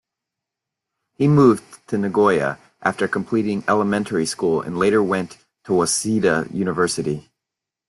He moved to Nagoya after completing elementary school and later went to Waseda University.